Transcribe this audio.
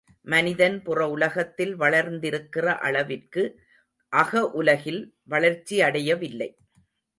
மனிதன் புற உலகத்தில் வளர்ந்திருக்கிற அளவிற்கு அகஉலகில் வளர்ச்சியடையவில்லை.